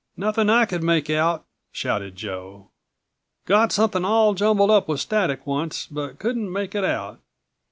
"Nothing I could make out," shouted Joe. "Got something all jumbled up with static once but couldn't make it out."